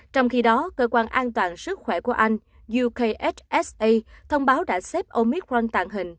trong khi đó cơ quan an toàn sức khỏe của anh ukhsa thông báo đã xếp omicron tàng hình